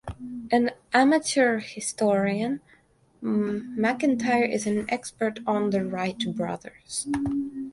An amateur historian, McIntyre is an expert on the Wright brothers.